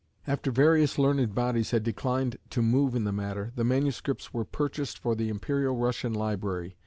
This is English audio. After various learned bodies had declined to move in the matter the manuscripts were purchased for the Imperial Russian library.